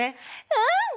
うん！